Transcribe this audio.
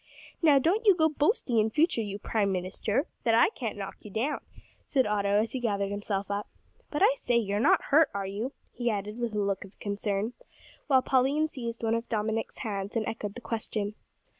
"Now, don't you go boasting in future, you prime minister, that I can't knock you down," said Otto, as he gathered himself up. "But I say, you're not hurt, are you?" he added, with a look of concern, while Pauline seized one of Dominick's hands and echoed the question.